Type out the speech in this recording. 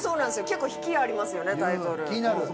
結構引きありますよねタイトル。